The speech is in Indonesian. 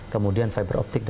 kemudian fiber optik